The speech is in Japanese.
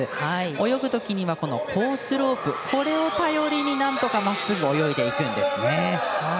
泳ぐときにはコースロープこれを頼りになんとかまっすぐ泳いでいくんですね。